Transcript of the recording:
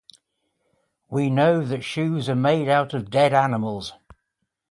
We know that shoes are made out of dead animals.